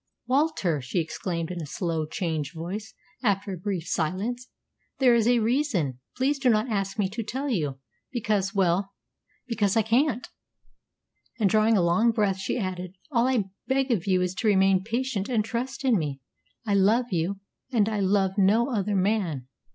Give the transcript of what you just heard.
"Walter," she exclaimed in a slow, changed voice, after a brief silence, "there is a reason. Please do not ask me to tell you because well, because I can't." And, drawing a long breath, she added, "All I beg of you is to remain patient and trust in me. I love you; and I love no other man.